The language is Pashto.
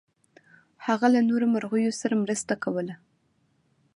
هغه له نورو مرغیو سره مرسته کوله.